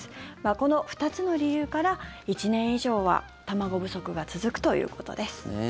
この２つの理由から、１年以上は卵不足が続くということです。